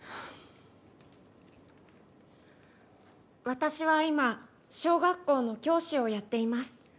私はいま小学校の教師をやっています。